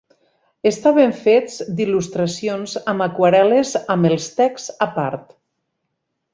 Estaven fets d'il·lustracions amb aquarel·les amb els texts a part.